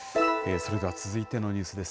それでは続いてのニュースです。